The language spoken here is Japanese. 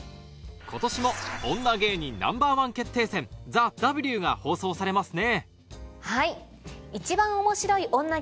今年も『女芸人Ｎｏ．１決定戦ＴＨＥＷ』が放送されますね